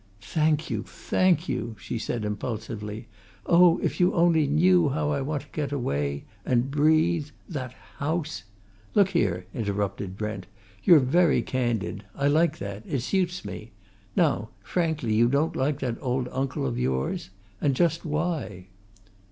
"Thank you, thank you!" she said impulsively. "Oh, if you only knew how I want to get away and breathe! That house " "Look here," interrupted Brent, "you're very candid. I like that it suits me. Now, frankly you don't like that old uncle of yours? And just why?"